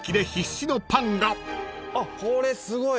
あっこれすごい。